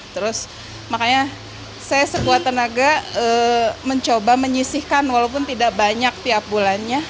terus makanya saya sekuat tenaga mencoba menyisihkan walaupun tidak banyak tiap bulannya